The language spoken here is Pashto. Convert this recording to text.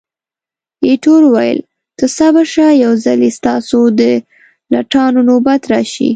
ایټور وویل، ته صبر شه، یو ځلي ستاسو د لټانو نوبت راشي.